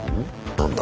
何だ？